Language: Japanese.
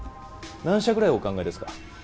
何社ぐらいお考えですか？